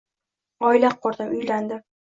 Oila qurdim, uylandim